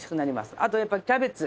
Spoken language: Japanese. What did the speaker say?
あとやっぱりキャベツ。